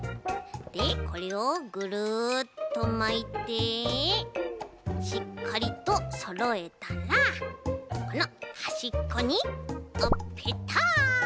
でこれをグルッとまいてしっかりとそろえたらこのはしっこにあっペタ！